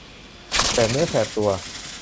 แสบเนื้อแสบตัว